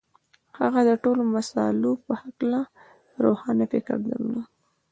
هغه د ټولو مسألو په هکله روښانه فکر درلود.